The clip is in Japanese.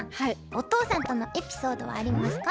お父さんとのエピソードはありますか？